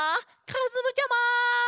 かずむちゃま！